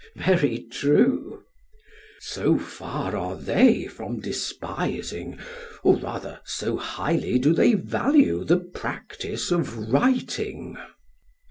PHAEDRUS: Very true. SOCRATES: So far are they from despising, or rather so highly do they value the practice of writing.